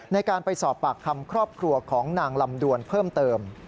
ในการไปสอบปากคำครอบครัวของนางลำดวนเพิ่มเติม